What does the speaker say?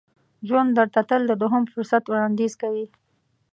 ژوند درته تل د دوهم فرصت وړاندیز کوي.